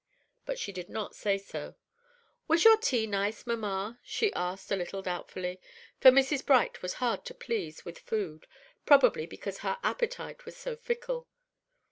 But she did not say so. "Was your tea nice, mamma?" she asked, a little doubtfully, for Mrs. Bright was hard to please with food, probably because her appetite was so fickle.